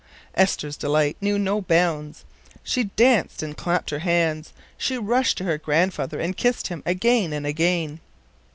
Esther's delight knew no bounds. She danced and clapped her hands, she rushed to her grandfather and kissed him again and again.